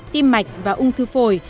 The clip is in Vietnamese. tim mạch và ung thư phổi